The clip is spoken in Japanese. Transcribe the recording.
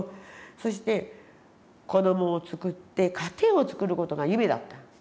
そして子どもをつくって家庭をつくることが夢だったんです。